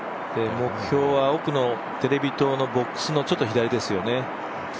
目標は奥のテレビ塔のボックスのちょっと左ですね。